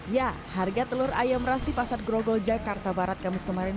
ya harga telur ayam ras di pasar grogol jakarta barat kamis kemarin